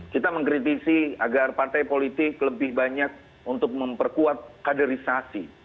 kita mengkritisi agar partai politik lebih banyak untuk memperkuat kaderisasi